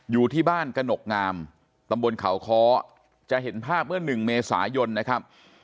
อยู่ที่บ้านกระหนกงามตำบลเขาค้อจะเห็นภาพเมื่อ๑เมษายนนะครับ